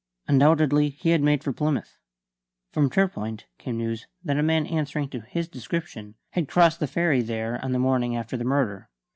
Undoubtedly he had made for Plymouth. From Torpoint came news that a man answering to his description had crossed the ferry there on the morning after the murder.